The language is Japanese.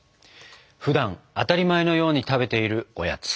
ふだん当たり前のように食べているおやつ。